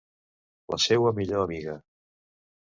La seua millor amiga...